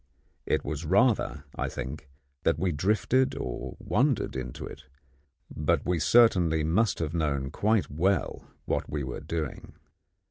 It was rather, I think, that we drifted or wandered into it; but we certainly must have known quite well what we were doing.